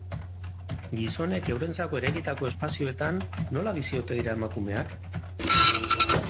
Gizonek eurentzako eraikitako espazioetan nola bizi ote dira emakumeak?